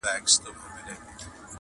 قافلې به د اغیارو پر پېچومو نیمه خوا سي-